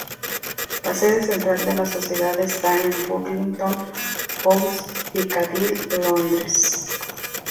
La sede central de la sociedad está en Burlington House, Piccadilly, Londres.